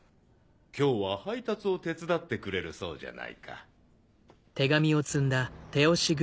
今日は配達を手伝ってくれるそうじゃないか。